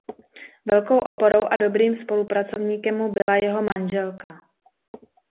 Velkou oporou a dobrým spolupracovníkem mu byla jeho manželka.